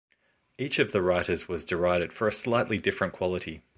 Each of the writers was derided for a slightly different quality.